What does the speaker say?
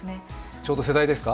ちょうど世代ですか？